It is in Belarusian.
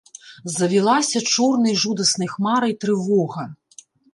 Завілася чорнай жудаснай хмарай трывога.